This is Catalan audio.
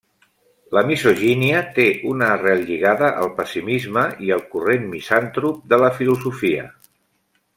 La misogínia té una arrel lligada al pessimisme i al corrent misantrop de la filosofia.